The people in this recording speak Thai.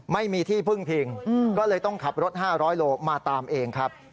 ไม่มีที่พึ่งพิงก็เลยต้องขับรถ๕๐๐โลมาตามเองครับ